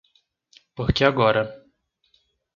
Porque agora